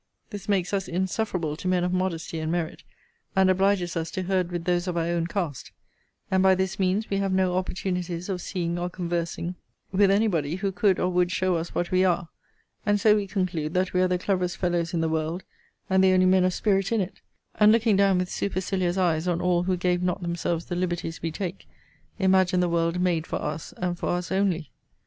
This makes us insufferable to men of modesty and merit, and obliges us to herd with those of our own cast; and by this means we have no opportunities of seeing or conversing with any body who could or would show us what we are; and so we conclude that we are the cleverest fellows in the world, and the only men of spirit in it; and looking down with supercilious eyes on all who gave not themselves the liberties we take, imagine the world made for us, and for us only.